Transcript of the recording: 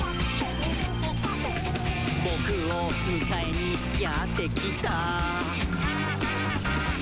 「ぼくをむかえにやってきた？」